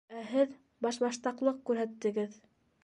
Ә һеҙ башбаштаҡлыҡ күрһәттегеҙ.